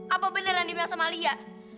apa benar yang dibilang sama lia